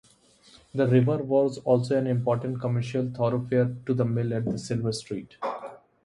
The river was also an important commercial thoroughfare to the mill at Silver Street.